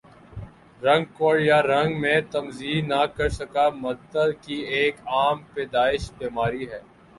رنگ کور یا رنگ میں تمیز نہ کر سکہ مرد کی ایک عام پیدائش بیماری ہے